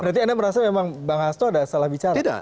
berarti anda merasa memang bang hasto ada salah bicara